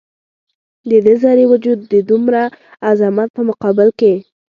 د ده ذرې وجود د دومره عظمت په مقابل کې.